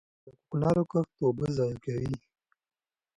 د کوکنارو کښت اوبه ضایع کوي.